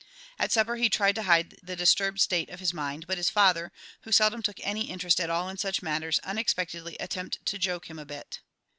At supper he tried to hide the disturbed state of his mind, but his father, who seldom took any interest at all in such matters unexpectedly attempted to joke him a bit.